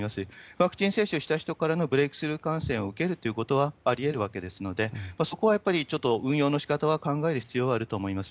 ワクチン接種した人からのブレークスルー感染を受けるということはありえるわけですので、そこはやっぱりちょっと運用のしかたは考える必要はあると思います。